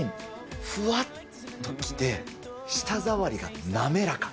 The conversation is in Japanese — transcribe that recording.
ふわっと来て、舌触りが滑らか。